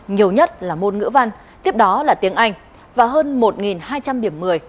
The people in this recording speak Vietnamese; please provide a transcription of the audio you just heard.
nhiều nhất là môn ngữ văn tiếp đó là tiếng anh và hơn một hai trăm linh điểm một mươi